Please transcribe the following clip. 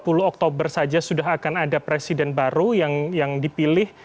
november yang kemudian dua puluh oktober saja sudah akan ada presiden baru yang dipilih